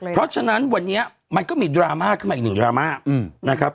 เพราะฉะนั้นวันนี้มันก็มีดราม่าขึ้นมาอีกหนึ่งดราม่านะครับ